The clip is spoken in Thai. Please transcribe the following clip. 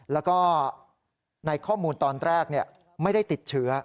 แล้วก็ในข้อมูลตอนแรกไม่ได้ติดเชื้อ